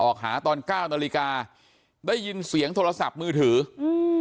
ออกหาตอนเก้านาฬิกาได้ยินเสียงโทรศัพท์มือถืออืม